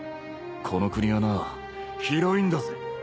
この国はな広いんだぜ。